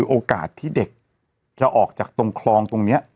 โอกาสที่เด็กจะออกจากตรงคลองตรงนี้